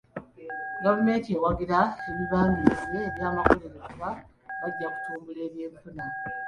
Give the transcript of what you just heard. Gavumenti ewagira ebibangirizi by'amakolero kuba bajja kutumbula eby'enfuna.